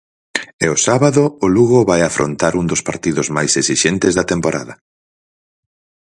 E o sábado, o Lugo vai afrontar un dos partidos máis esixentes da temporada.